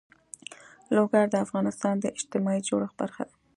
لوگر د افغانستان د اجتماعي جوړښت برخه ده.